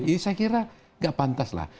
ini saya kira tidak pantaslah